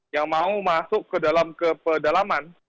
yang mau masuk ke dalam ke pedalaman